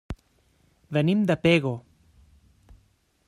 Venim de Pego.